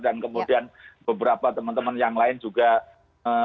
dan kemudian beberapa teman teman yang lain juga lakukan